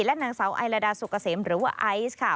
และนางสาวไอลาดาสุกเกษมหรือว่าไอซ์ค่ะ